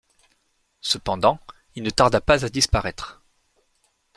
Cependant, il ne tarda pas à disparaître.